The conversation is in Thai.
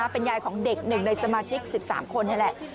เป็นยายของเด็ก๑ในสมาชิก๑๓คนนี่แหละ